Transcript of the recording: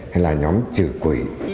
hay là nhóm trừ quỷ